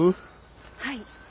はい。